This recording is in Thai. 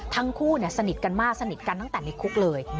ทั้งคู่สนิทกันมากสนิทกันตั้งแต่ในคุกเลย